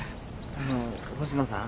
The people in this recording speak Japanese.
あの星野さん。